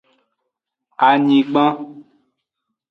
Anyigban.